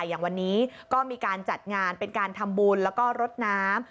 อย่างวันนี้ก็มีการจัดงานเป็นการทำบุญแล้วก็รดน้ำ